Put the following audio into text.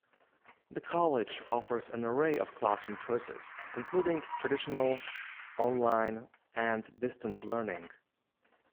The college offers an array of classroom choices including traditional, online, and distance learning.